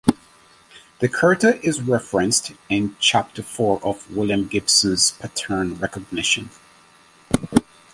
The Curta is referenced in chapter four of William Gibson's "Pattern Recognition".